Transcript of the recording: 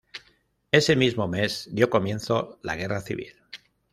Ese mismo mes dio comienzo la Guerra Civil.